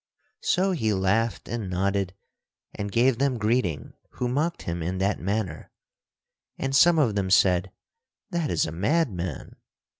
So he laughed and nodded and gave them greeting who mocked him in that manner. And some of them said, "That is a madman."